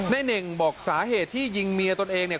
เน่งบอกสาเหตุที่ยิงเมียตนเองเนี่ย